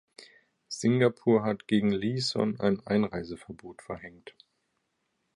Singapur hat gegen Leeson ein Einreiseverbot verhängt.